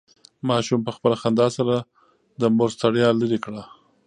ماشوم په خپله خندا سره د مور ستړیا لرې کړه.